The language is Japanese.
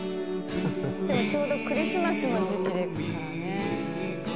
でもちょうどクリスマスの時季ですからね。